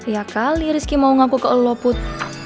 ya kali rizky mau ngaku ke elu lo put